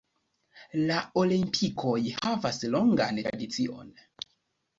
La Olimpikoj havas longan tradicion.